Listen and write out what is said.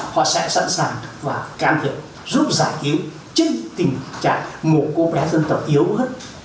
họ sẽ sẵn sàng và can thiệp giúp giải cứu trên tình trạng một cô bé dân tộc yếu hứa